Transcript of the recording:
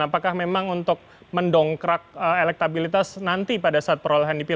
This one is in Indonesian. apakah memang untuk mendongkrak elektabilitas nanti pada saat perolehan dipilih